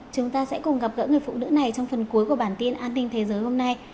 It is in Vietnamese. chúng ta sẽ cùng gặp gỡ người phụ nữ này trong phần cuối của bản tin an ninh thế giới hôm nay